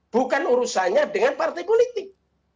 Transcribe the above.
bukan urusannya dengan partai politik